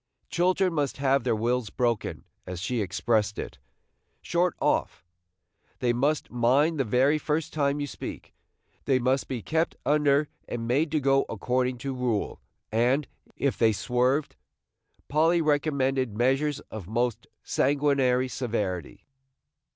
Children must have their wills broken, as she expressed it, "short off"; they must mind the very first time you speak; they must be kept under and made to go according to rule, and, if they swerved, Polly recommended measures of most sanguinary severity.